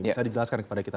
bisa dijelaskan kepada kita